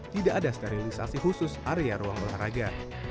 tidak ada sterilisasi khusus area ruang olahraga